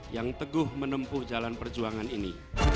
yang teguh menempuh jalan perjuangan ini